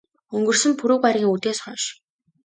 Өнгөрсөн пүрэв гаригийн үдээс хойш.